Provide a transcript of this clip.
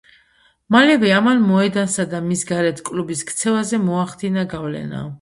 მალევე ამან მოედანსა და მის გარეთ კლუბის ქცევაზე მოახდინა გავლენა.